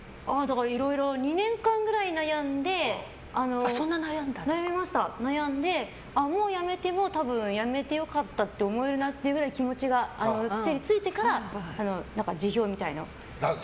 ２年間ぐらい悩んでもう辞めても辞めてよかったって思えるなってくらい気持ちが整理ついてから辞表みたいなのを。